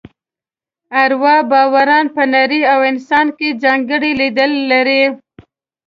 اروا باوران په نړۍ او انسان کې ځانګړی لید لري.